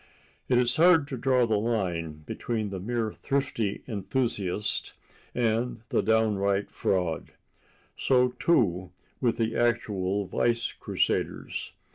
It is hard to draw the line between the mere thrifty enthusiast and the downright fraud. So, too, with the actual vice crusaders.